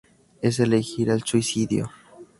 Es elegir el suicidio.